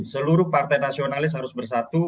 seluruh partai nasionalis harus bersatu